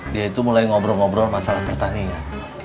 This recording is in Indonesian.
dia itu mulai ngobrol ngobrol masalah pertanian